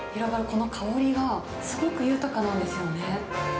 この香りが、すごく豊かなんですよね。